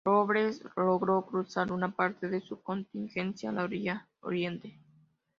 Robles logró cruzar una parte de su contingente a la orilla oriente.